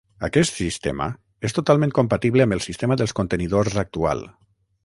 Aquest sistema és totalment compatible amb el sistema dels contenidors actual.